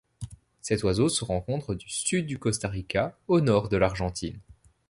Cet oiseau se rencontre du sud du Costa Rica au nord de l'Argentine.